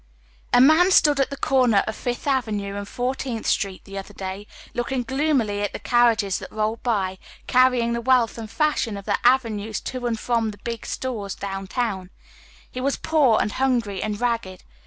A MAN stood at the (fcraer of Fifth Avenue and Fourteenth Street the otlier day, looking gloomily at the carriages that rolled by, canyiiig the wealth and fashion of the avenues to and from the big stores down town. He was poor, and hungry, and ragged.